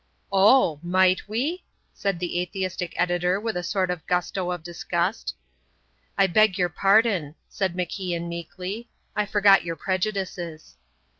"Oh! might we?" said the atheistic editor with a sort of gusto of disgust. "I beg your pardon," said MacIan, meekly. "I forgot your prejudices."